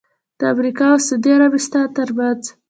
د امریکا اوسعودي عربستان ترمنځ